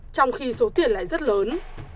trong khi số tiền lại rất lớn